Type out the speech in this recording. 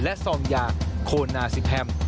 และซองล์ยางโคนาสิแพมป์